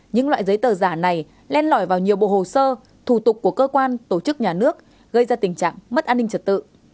những loại giấy tờ giả này len lỏi vào nhiều bộ hồ sơ thủ tục của cơ quan tổ chức nhà nước gây ra tình trạng mất an ninh trật tự